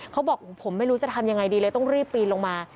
เขาบอกผมไม่รู้จะทำยังไงดีเลยต้องรีบปีนลงมา